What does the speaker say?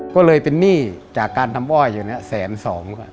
ก็เลยเป็นหนี้จากการทำอ้อยอยู่เนี่ยแสนสองกว่า